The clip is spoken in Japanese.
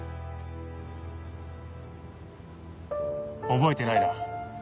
覚えてないな。